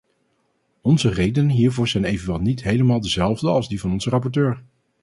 Onze redenen hiervoor zijn evenwel niet helemaal dezelfde als die van onze rapporteur.